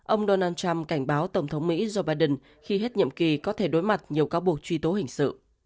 ông donald trump cảnh báo tổng thống mỹ joe biden khi hết nhiệm kỳ có thể đối mặt nhiều cáo buộc truy tố hình sự